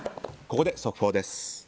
ここで速報です。